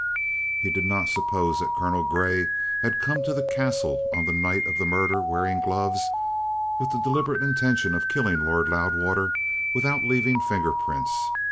He did not suppose that Colonel Grey had come to the Castle on the night of the murder wearing gloves with the deliberate intention of killing Lord Loudwater without leaving finger prints.